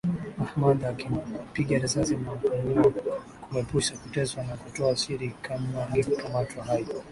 Ahmada akampiga risasi na kumuua kumuepusha kuteswa na kutoa siri kama angekamatwa hai